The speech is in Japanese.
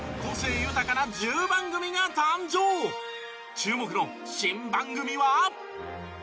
注目の新番組は。